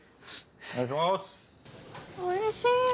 おいしい。